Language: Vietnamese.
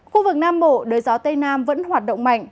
khu vực nam bộ đới gió tây nam vẫn hoạt động mạnh